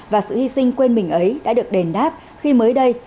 và sự hy sinh quên mình ấy đã được đền đáp khi mới đây